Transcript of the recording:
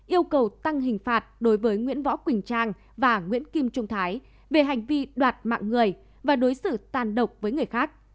yêu cầu tăng hình phạt đối với nguyễn võ quỳnh trang và nguyễn kim trung thái về hành vi đoạt mạng người và đối xử tàn độc với người khác